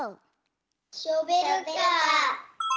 ショベルカー。